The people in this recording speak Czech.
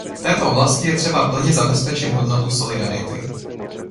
V této oblasti je třeba plně zabezpečit hodnotu solidarity.